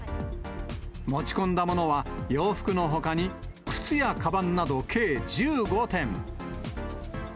持ち込んだものは、洋服のほかに、靴やかばんなど計１５点。